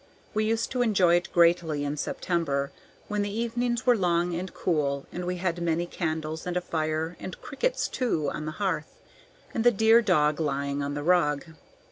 We used to enjoy it greatly in September, when the evenings were long and cool, and we had many candles, and a fire and crickets too on the hearth, and the dear dog lying on the rug.